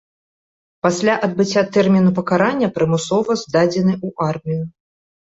Пасля адбыцця тэрміну пакарання прымусова здадзены ў армію.